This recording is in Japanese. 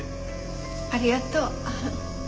ありがとう。